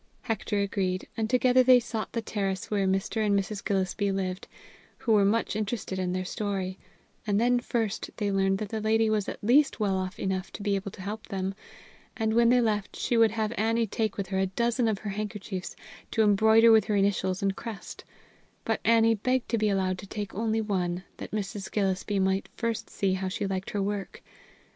Hector agreed, and together they sought the terrace where Mr. and Mrs. Gillespie lived, who were much interested in their story; and then first they learned that the lady was at least well enough off to be able to help them, and, when they left, she would have Annie take with her a dozen of her handkerchiefs, to embroider with her initials and crest; but Annie begged to be allowed to take only one, that Mrs. Gillespie might first see how she liked her work.